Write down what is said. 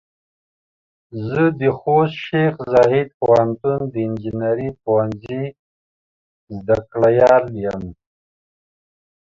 زه د خوست شیخ زايد پوهنتون د انجنیري پوهنځۍ زده کړيال يم.